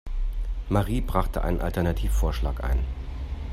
Marie brachte einen Alternativvorschlag ein.